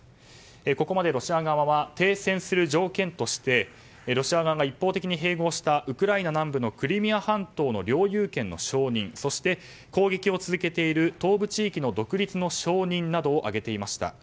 ここまでロシア側は停戦する条件としてロシア側が一方的に併合したウクライナ南部のクリミア半島の領有権の承認そして攻撃を続けている東部地域の独立の承認などを挙げていました。